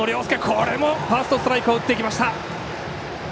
これもファーストストライクを打っていきました。